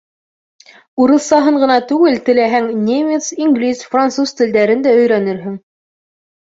Урыҫ-саһын ғына түгел, теләһәң, немец, инглиз, француз телдәрен дә өйрәнерһең.